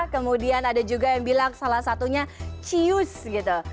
kemudian ada juga yang bilang salah satunya cius gitu